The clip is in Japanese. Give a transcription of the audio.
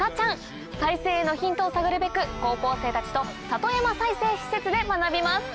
再生へのヒントを探るべく高校生たちと里山再生施設で学びます。